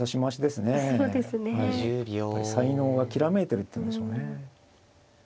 やっぱり才能がきらめいてるっていうんでしょうね。